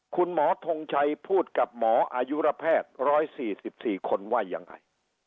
คุณหมอทงชัยพูดกับหมออายุระแพทย์๑๔๔คนว่ายังไง